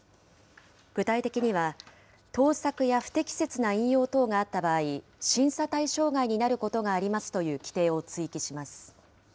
具体的には、盗作や不適切な引用等があった場合、審査対象外になることがありますという規定を追記します。